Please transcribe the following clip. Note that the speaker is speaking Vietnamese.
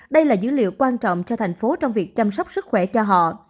đây là dữ liệu quan trọng cho thành phố trong việc chăm sóc sức khỏe cho họ